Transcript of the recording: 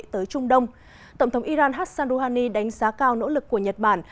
tổng thống iran hassan rouhani đánh giá cao nỗ lực của nhật bản